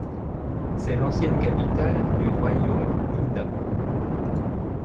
C'est l'ancienne capitale du Royaume Lunda.